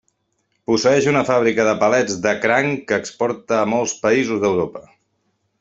Posseeix una fàbrica de palets de cranc que exporta a molts països d'Europa.